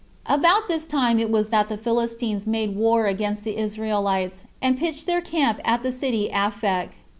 1. About this time it was that the Philistines made war against the Israelites, and pitched their camp at the city Aphek.